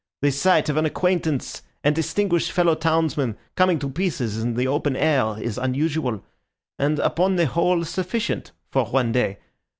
The sight of an acquaintance and distinguished fellow townsman coming to pieces in the open air is unusual, and, upon the whole, sufficient for one day.